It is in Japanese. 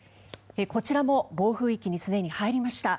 こちらも暴風域にすでに入りました。